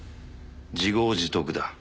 自業自得だ」